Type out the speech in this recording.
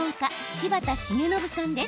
柴田重信さんです。